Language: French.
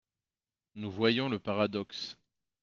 Nous voyons le paradoxe.